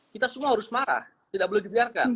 kita semua harus marah tidak boleh dibiarkan